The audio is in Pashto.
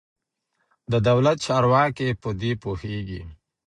د دولت چارواکي په دې پوهېږي.